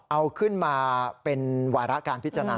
เอาขึ้นมาเป็นวาระการพิจารณา